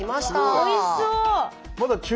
おいしそう。